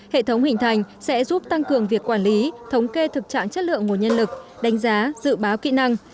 hệ thống hình thành sẽ giúp tăng cường việc quản lý thống kê thực trạng chất lượng nguồn nhân lực đánh giá dự báo kỹ năng